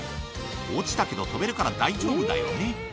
落ちたけど、飛べるから大丈夫だよね。